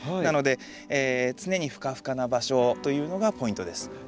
なので常にふかふかな場所というのがポイントです。